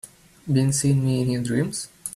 Been seeing me in your dreams?